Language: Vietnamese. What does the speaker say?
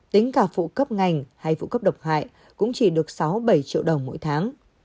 tính cả phụ cấp ngành hay phụ cấp độc hại cũng chỉ được sáu bảy triệu đồng mỗi tháng